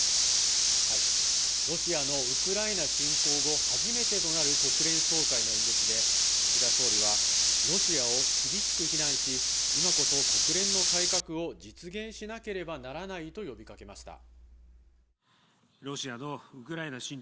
ロシアのウクライナ侵攻後、初めてとなる国連総会の演説で、岸田総理はロシアを厳しく非難し、今こそ国連の改革を実現しなければならないと呼びかけました。